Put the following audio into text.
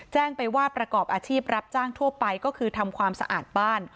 แจ้งไปว่าประกอบอาชีพรับจ้างทั่วไปก็คือทำความสะอาดบ้าน